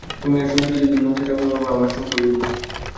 তুমি এর সঙ্গে যদি ভিন্ন হতে চাও তবে আমার সঙ্গেও ভিন্ন হবে।